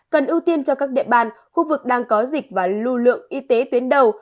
cần ưu tiên cho các địa bàn khu vực đang có dịch và lưu lượng y tế tuyến đầu